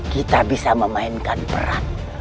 kita bisa memainkan peran